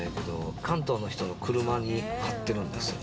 関東の人の車に貼ってあるんですよね。